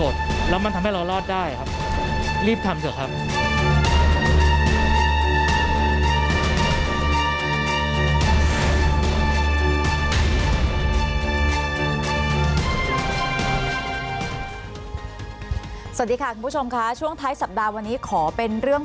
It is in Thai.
สวัสดีค่ะคุณผู้ชมค่ะช่วงท้ายสัปดาห์วันนี้ขอเป็นเรื่อง